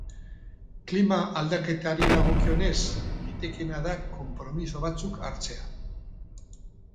Klima aldaketari dagokionez, litekeena da konpromiso batzuk hartzea.